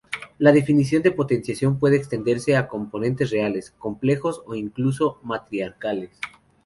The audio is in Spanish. La definición de potenciación puede extenderse a exponentes reales, complejos o incluso matriciales.